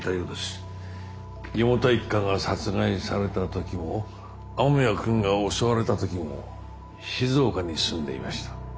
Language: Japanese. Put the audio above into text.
四方田一家が殺害された時も雨宮君が襲われた時も静岡に住んでいました。